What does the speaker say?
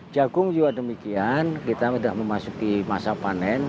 jagung juga demikian kita sudah memasuki masa panen